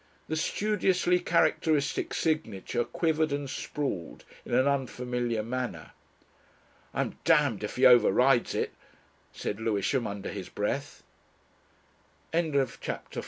The studiously characteristic signature quivered and sprawled in an unfamiliar manner. "I'm damned if he overrides it," said Lewisham, under his breath. CHAPTER XV. LOVE IN THE STREETS.